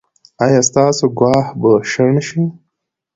ایا ستاسو ګواښ به شنډ شي؟